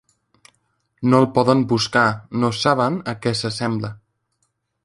No el poden buscar, no saben a què s'assembla.